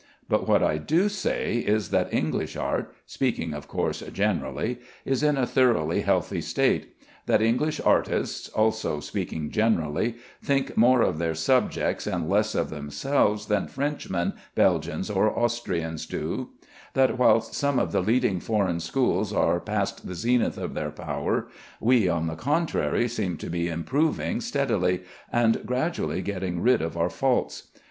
But what I do say is that English art (speaking of course generally) is in a thoroughly healthy state; that English artists (also speaking generally) think more of their subjects and less of themselves than Frenchmen, Belgians, or Austrians do; that whilst some of the leading foreign schools are past the zenith of their power, we, on the contrary, seem to be improving steadily, and gradually getting rid of our faults.